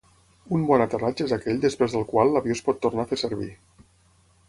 Un bon aterratge és aquell després del qual l'avió es pot tornar a fer servir.